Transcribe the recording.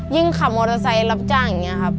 ขับมอเตอร์ไซค์รับจ้างอย่างนี้ครับ